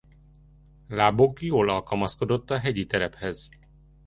Lábuk jól alkalmazkodott a hegyi terephez.